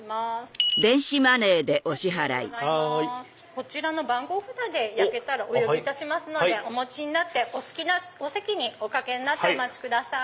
こちらの番号札で焼けたらお呼びいたしますのでお持ちになってお好きなお席にお掛けになってお待ちください。